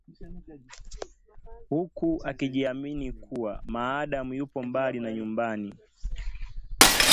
huku akijiamini kuwa maadamu yupo mbali na nyumbani